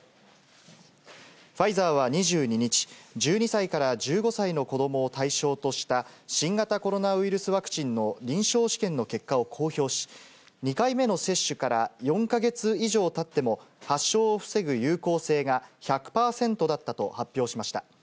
ファイザーは２２日、１２歳から１５歳の子どもを対象とした新型コロナウイルスワクチンの臨床試験の結果を公表し、２回目の接種から４か月以上たっても、発症を防ぐ有効性が１００％だったと発表しました。